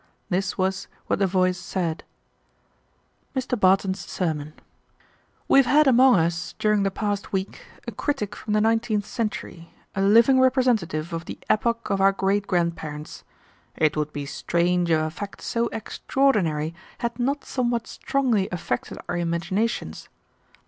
This was what the voice said: MR. BARTON'S SERMON "We have had among us, during the past week, a critic from the nineteenth century, a living representative of the epoch of our great grandparents. It would be strange if a fact so extraordinary had not somewhat strongly affected our imaginations.